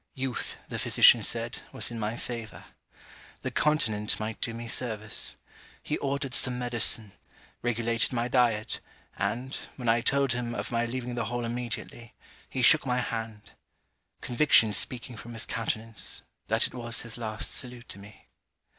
Youth, the physician said, was in my favour. The continent might do me service. He ordered some medicine; regulated my diet; and, when I told him of my leaving the Hall immediately, he shook my hand: Conviction speaking from his countenance, that it was his last salute to me.